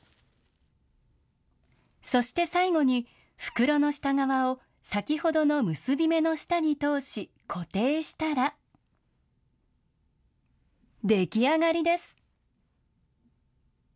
そして最後に、袋の下側を先ほどの結び目の下に通し、固定したら、出来上がりです。